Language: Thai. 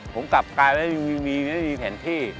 ผมกลับกลายไม่มีแผนที่